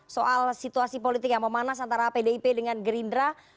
soal situasi politik yang memanas antara pdip dengan gerindra